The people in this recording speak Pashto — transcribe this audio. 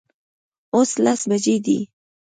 اوس لس بجې دي